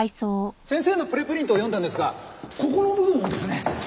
先生のプレプリントを読んだんですがここの部分をですね